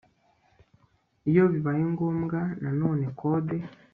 iyo bibaye ngombwa na none kode